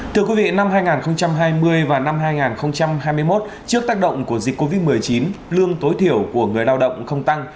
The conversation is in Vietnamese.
thưa quý vị năm hai nghìn hai mươi và năm hai nghìn hai mươi một trước tác động của dịch covid một mươi chín lương tối thiểu của người lao động không tăng